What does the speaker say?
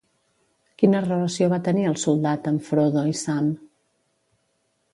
Quina relació va tenir el soldat amb Frodo i Sam?